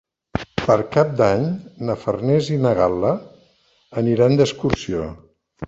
Per Cap d'Any na Farners i na Gal·la aniran d'excursió.